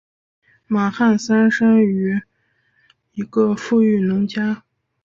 马汉三生于一个富裕农家。